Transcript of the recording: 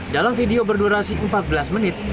dalam video berdurasi empat belas menit